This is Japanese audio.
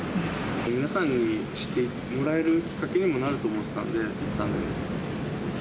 皆さんに知ってもらえるきっかけになると思ってたんで、残念です。